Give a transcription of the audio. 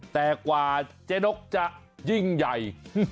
แต่กว่าเจ๊นกจะยิ่งใหญ่